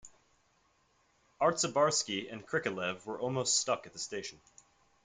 Artsebarsky and Krikalev were almost stuck at the station.